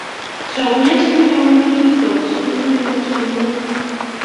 Chamnyet ne o nigikochi inendet kome